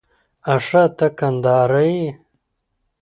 آښه ته کندهاری يې؟